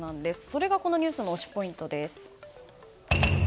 それがこのニュースの推しポイントです。